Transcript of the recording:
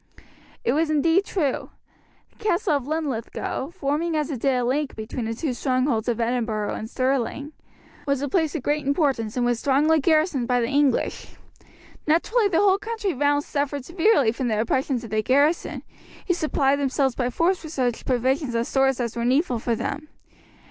It was indeed true. The castle of Linlithgow, forming as it did a link between the two strongholds of Edinburgh and Stirling, was a place of great importance and was strongly garrisoned by the English. Naturally the whole country round suffered severely from the oppressions of the garrison, who supplied themselves by force with such provisions and stores as were needful for them.